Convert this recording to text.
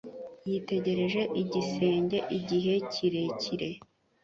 Yitegereje igisenge igihe kirekire.